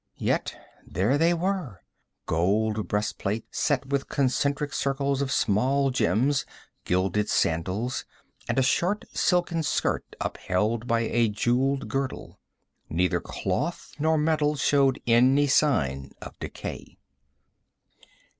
Yet there they were gold breast plates set with concentric circles of small gems, gilded sandals, and a short silken skirt upheld by a jeweled girdle. Neither cloth nor metal showed any signs of decay.